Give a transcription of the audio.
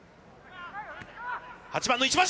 ８番の石橋。